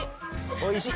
「おいしい？」